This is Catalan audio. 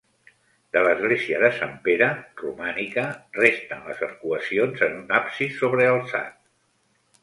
De l'església de Sant Pere, romànica, resten les arcuacions en un absis sobrealçat.